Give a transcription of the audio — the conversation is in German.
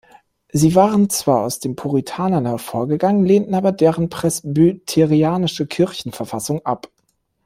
Sie waren zwar aus den Puritanern hervorgegangen, lehnten aber deren presbyterianische Kirchenverfassung ab.